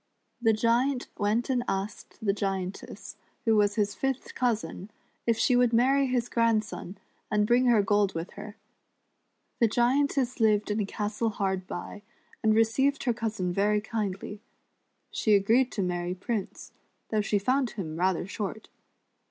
The Giant went and asked the Giantess, who was his fifth cousin, if she would marry his grandson, and bring her gold with her. The Giantess lived in a castle hard by, and received her cousin very kindly. She agreed to marry Prince, though she found him rather short.